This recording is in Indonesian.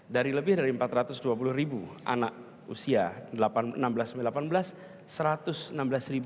dari lebih dari empat ratus dua puluh ribu anak usia enam belas delapan belas